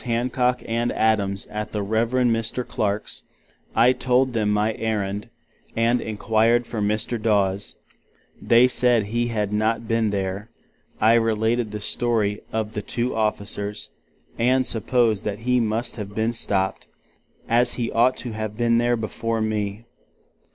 Hancock and Adams at the Rev. Mr. Clark's; I told them my errand, and inquired for Mr. Daws; they said he had not been there; I related the story of the two officers, and supposed that He must have been stopped, as he ought to have been there before me.